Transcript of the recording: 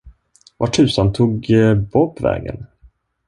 Var tusan tog Bob vägen?